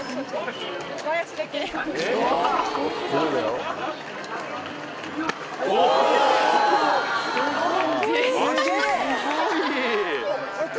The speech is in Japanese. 足すごい！